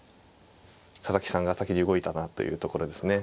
佐々木さんが先に動いたなというところですね。